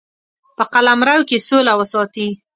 په قلمرو کې سوله وساتي.